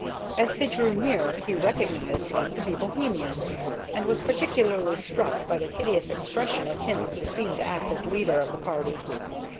As they drew near he recognized them to be Bohemians, and was particularly struck by the hideous expression of him who seemed to act as leader of the party.